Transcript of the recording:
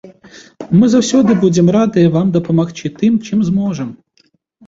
Мы заўсёды будзем радыя вам дапамагчы тым, чым зможам.